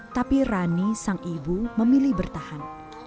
tapi rani sang ibu memilih bertahan